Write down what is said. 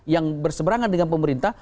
yang berseberangan dengan pemerintah